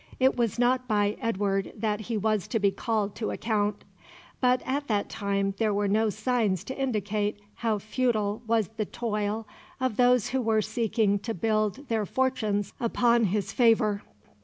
It was not by Edward that he was to be called to account. But at that time there were no signs to indicate how futile was the toil of those who were seeking to build their fortunes upon his favour.